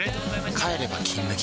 帰れば「金麦」